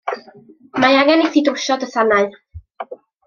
Mae angen i ti drwsio dy sanau.